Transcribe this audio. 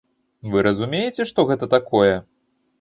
Вы разумееце, што гэта такое?